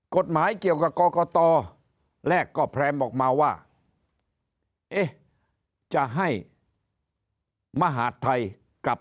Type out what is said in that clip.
กฎหมายเกี่ยวกับกรกตแรกก็แพรมออกมาว่าเอ๊ะจะให้มหาดไทยกลับ